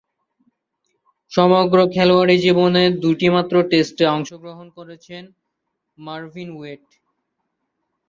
সমগ্র খেলোয়াড়ী জীবনে দুইটিমাত্র টেস্টে অংশগ্রহণ করেছেন মারভিন ওয়েট।